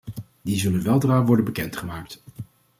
Die zullen weldra worden bekendgemaakt.